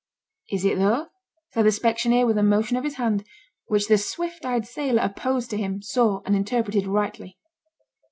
'Is it though?' said the specksioneer, with a motion of his hand, which the swift eyed sailor opposed to him saw and interpreted rightly.